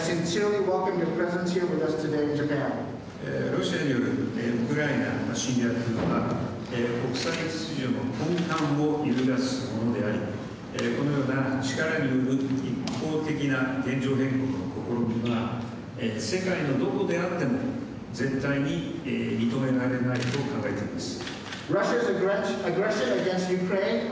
ロシアによるウクライナの侵略、国際秩序の根幹を揺るがすものでありこのような力による一方的な現状変更の試みは世界のどこであっても絶対に認められないと考えています。